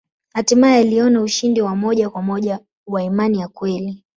Hatimaye aliona ushindi wa moja kwa moja wa imani ya kweli.